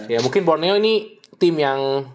ya mungkin borneo ini tim yang